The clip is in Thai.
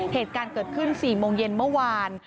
เหตุการณ์เกิดขึ้น๔โมงเย็นเมื่อวาน